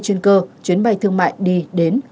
chuyên cơ chuyến bay thương mại đi đến